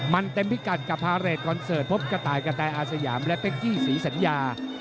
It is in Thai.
มันเต็มพิกัดกับพาเรทคอนเสิร์ตพบกระต่ายกะแตอาสยามและเป๊กกี้ศรีสัญญา